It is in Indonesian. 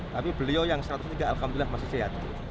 tapi beliau yang seratus tiga alhamdulillah masih sehat